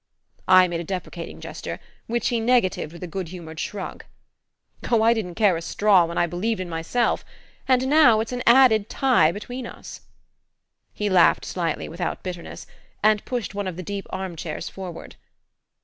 I made a deprecating gesture, which he negatived with a good humoured shrug. "Oh, I didn't care a straw when I believed in myself and now it's an added tie between us!" He laughed slightly, without bitterness, and pushed one of the deep arm chairs forward.